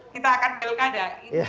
kita akan melkada